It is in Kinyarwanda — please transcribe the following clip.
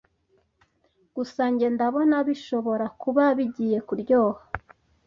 Gusa njye ndabona bishobora kuba bigiye kuryoha,